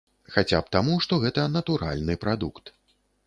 Хаця б таму, што гэта натуральны прадукт.